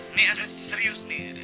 ini ada serius nih